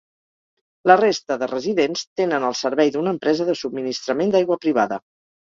La resta de residents tenen el servei d'una empresa de subministrament d'aigua privada.